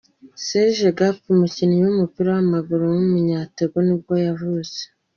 Serge Gakpé, umukinnyi w’umupira w’amaguru w’umunyatogo nibwo yavutse.